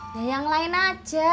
ya yang lain aja